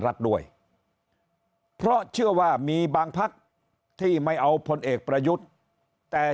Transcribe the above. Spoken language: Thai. รัฐด้วยเพราะเชื่อว่ามีบางพักที่ไม่เอาพลเอกประยุทธ์แต่